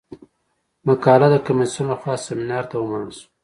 مقاله د کمیسیون له خوا سیمینار ته ومنل شوه.